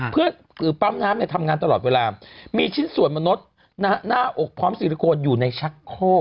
เพื่อปั๊มน้ำทำงานตลอดเวลามีชิ้นส่วนมนุษย์หน้าอกพร้อมซิลิโคนอยู่ในชักโคก